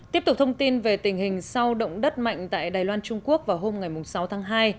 tiếp tục thông tin về tình hình sau động đất mạnh tại đài loan trung quốc vào hôm sáu tháng hai